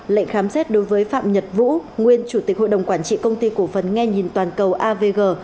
lệnh khám xét đối với phạm nhật vũ nguyên chủ tịch hội đồng quản trị công ty cổ phần nghe nhìn toàn cầu avg